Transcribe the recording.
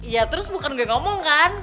ya terus bukan gue yang ngomong kan